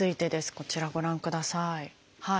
こちらご覧ください。